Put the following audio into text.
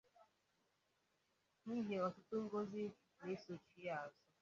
n'ihi ọtụtụ ngọzị na-esochi ya azụ.